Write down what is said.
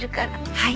はい。